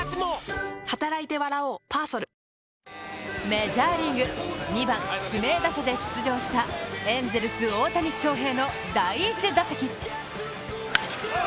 メジャーリーグ、２番・指名打者で出場したエンゼルス・大谷翔平の第１打席。